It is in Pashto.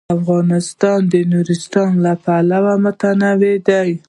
افغانستان د نورستان له پلوه متنوع دی.